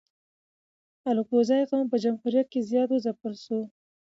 الکوزي قوم په جمهوریت کی زیات و ځپل سو